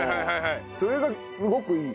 それがすごくいい。